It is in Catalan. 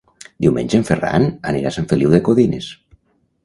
Diumenge en Ferran anirà a Sant Feliu de Codines.